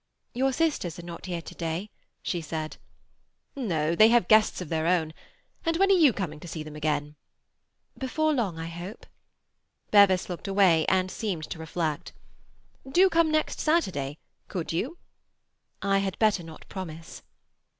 "Your sisters are not here to day?" she said. "No. They have guests of their own. And when are you coming to see them again?" "Before long, I hope." Bevis looked away and seemed to reflect. "Do come next Saturday—could you?" "I had better not promise."